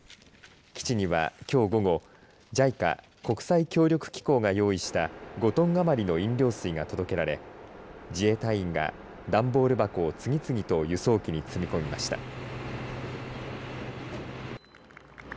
基地には、きょう午後ＪＩＣＡ国際協力機構が用意した５トン余りの飲料水が届けられ自衛隊員が段ボール箱を次々と輸送機に積み込みました。